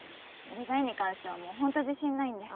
デザインに関してはもうほんと自信ないんで。